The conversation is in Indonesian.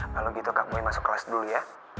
kalau gitu kak boy masuk kelas dulu ya